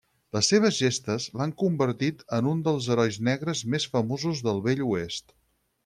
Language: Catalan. Les seves gestes l'han convertit en un dels herois negres més famosos del Vell Oest.